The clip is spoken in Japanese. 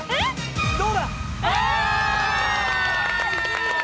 どうだ？